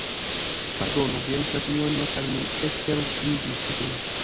Pardonu! diris la sinjorino, ĉar mi ekterurigis vin.